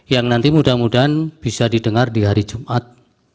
yang nanti mudah mudahan bisa didengar di hari jumat